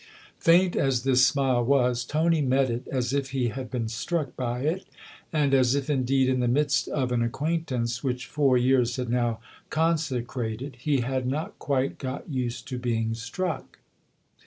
Faint as this smile was, Tony met it as if he had been struck by it, and as if indeed, in the midst of an acquaintance which four years had now conse crated, he had not quite got used to being struck.